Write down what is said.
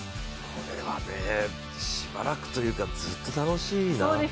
これは、しばらくというかずっと楽しいな。